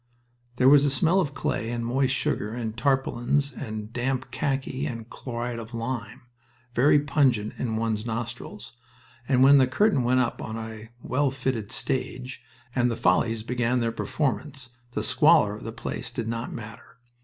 There was a smell of clay and moist sugar and tarpaulins and damp khaki, and chloride of lime, very pungent in one's nostrils, and when the curtain went up on a well fitted stage and "The Follies" began their performance, the squalor of the place did not matter.